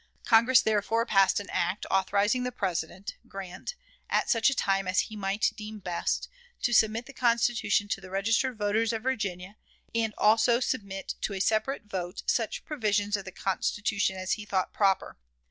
Congress, therefore, passed an act authorizing the President (Grant), at such time as he might deem best, to submit the Constitution to the registered voters of Virginia, and also submit to a separate vote such provisions of the Constitution as he thought proper.